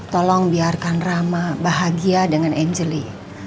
tolong biarkan rama bahagia dengan angelie